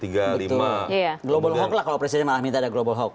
global hoax lah kalau presiden malah minta ada global hoax